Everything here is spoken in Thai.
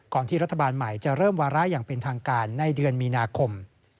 ที่รัฐบาลใหม่จะเริ่มวาระอย่างเป็นทางการในเดือนมีนาคม